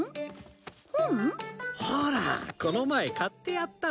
ほらこの前買ってやった。